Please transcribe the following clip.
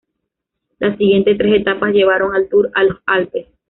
Las siguientes tres etapas llevaron al Tour a los Alpes.